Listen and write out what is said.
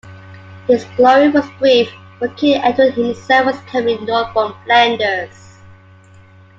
His glory was brief, for King Edward himself was coming north from Flanders.